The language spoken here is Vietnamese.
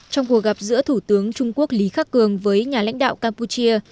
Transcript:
trong cuộc gặp giữa thủ tướng trung quốc lý khắc cường đến vương quốc campuchia